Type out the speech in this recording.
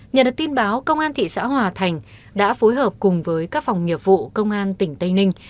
nhận được tin báo công an thị xã hòa thành đã phối hợp cùng với các phòng nghiệp vụ công an tỉnh tây ninh